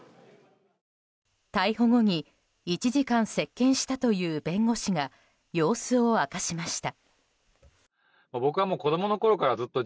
逮捕後に１時間接見したという弁護士が様子を明かしました。